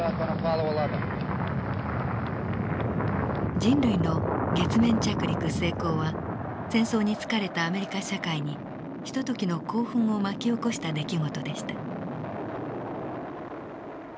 人類の月面着陸成功は戦争に疲れたアメリカ社会にひとときの興奮を巻き起こした出来事でした。